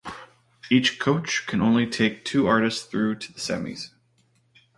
Each coach can only take two artists through to the semis.